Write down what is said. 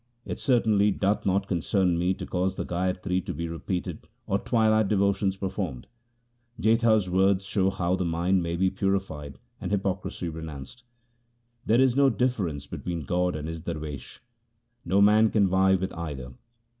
It certainly doth not concern me to cause the gayatri to be re peated or twilight devotions performed. Jetha's words show how the mind may be purified and hypocrisy renounced. There is no difference be tween God and His darwesh. No man can vie with either.